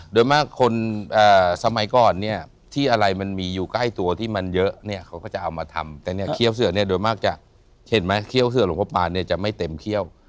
โดยมากคนสมัยก่อนเนี่ยที่อะไรมันมีอยู่ใกล้ตัวที่มันเยอะเนี่ยเขาก็จะเอามาทำแต่เนี่ยเคี้ยวเสือเนี่ยโดยมากจะเห็นไหมเคี้ยวเสือหลวงพ่อปานเนี่ยจะไม่เต็มเขี้ยว